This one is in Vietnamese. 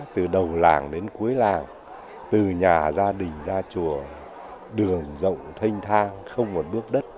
từ đầu làng đến cuối làng từ nhà gia đình ra chùa đường rộng thanh thang không một bước đất